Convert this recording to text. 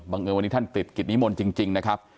เอิญวันนี้ท่านติดกิจนิมนต์จริงนะครับ